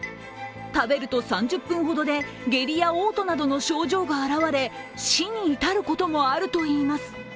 食べると３０分ほどで下痢やおう吐などの症状が表れ、死に至ることもあるといいます。